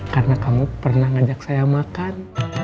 karena kamu pernah ngajak saya makan